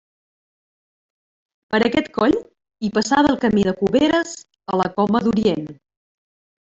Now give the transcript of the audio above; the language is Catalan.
Per aquest coll, hi passava el Camí de Cuberes a la Coma d'Orient.